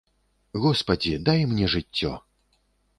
Госпадзі, дай мне жыццё!